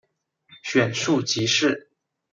选庶吉士。